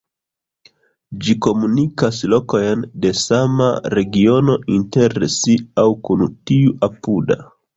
Ĝi komunikas lokojn de sama regiono inter si aŭ kun tiu apuda.